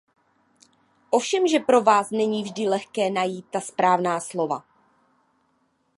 Ovšemže pro vás není vždy lehké najít ta správná slova.